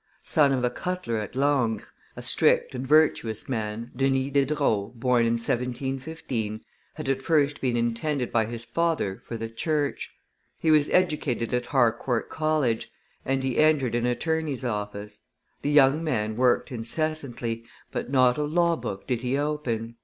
Son of a cutler at Langres, a strict and virtuous man, Denys Diderot, born in 1715, had at first been intended by his father for the church. He was educated at Harcourt College, and he entered an attorney's office. The young man worked incessantly, but not a law book did he open.